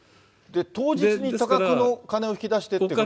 当日に多額の金を引き出してるっていう。